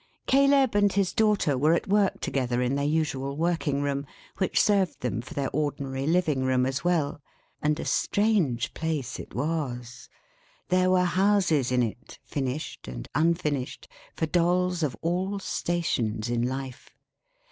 Caleb and his daughter were at work together in their usual working room, which served them for their ordinary living room as well; and a strange place it was. There were houses in it, finished and unfinished, for Dolls of all stations in life.